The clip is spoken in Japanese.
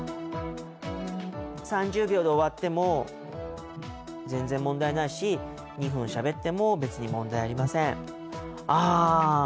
３０秒で終わっても全然問題ないし２分しゃべっても別に問題ありません。